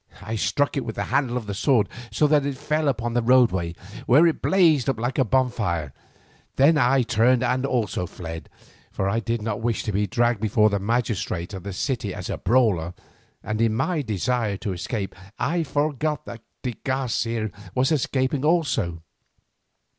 I struck it with the handle of the sword, so that it fell upon the roadway, where it blazed up like a bonfire. Then I turned also and fled, for I did not wish to be dragged before the magistrates of the city as a brawler, and in my desire to escape I forgot that de Garcia was escaping also.